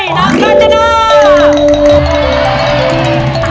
น้ำกาจนา